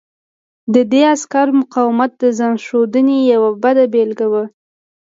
د دې عسکر مقاومت د ځان ښودنې یوه بده بېلګه وه